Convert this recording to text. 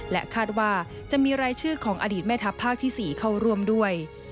และคาดว่าจะมีรายชื่อของอดีตแม่ทัพภาคที่๔เข้าร่วมด้วย